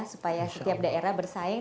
supaya setiap daerah bersaing